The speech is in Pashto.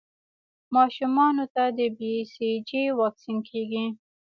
ماشومانو ته د بي سي جي واکسین کېږي.